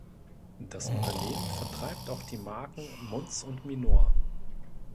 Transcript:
Das Unternehmen vertreibt auch die Marken Munz und Minor.